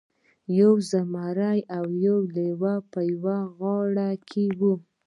یو زمری او یو لیوه په یوه غار کې وو.